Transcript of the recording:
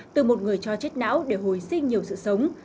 từ một người cho chết não để hồi sinh nhiều sự sống